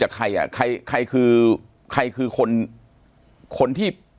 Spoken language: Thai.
ปากกับภาคภูมิ